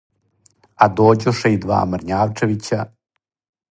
А дођоше два Мрњавчевића,